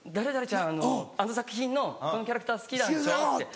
ちゃんあの作品のこのキャラクター好きなんでしょ」って。